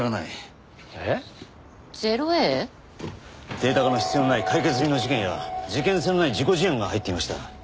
データ化の必要のない解決済みの事件や事件性のない事故事案が入っていました。